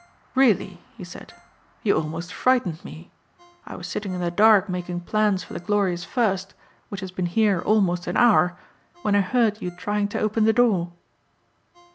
"Really," he said, "you almost frightened me. I was sitting in the dark making plans for the glorious 'first,' which has been here almost an hour, when I heard you trying to open the door."